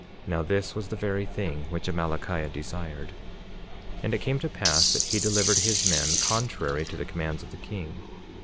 Now this was the very thing which Amalickiah desired. 47:16 And it came to pass that he delivered his men, contrary to the commands of the king.